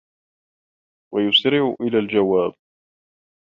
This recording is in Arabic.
وَيُسْرِعُ إلَى الْجَوَابِ